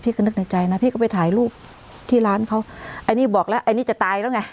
ก็นึกในใจนะพี่ก็ไปถ่ายรูปที่ร้านเขาไอ้นี่บอกแล้วไอ้นี่จะตายแล้วไง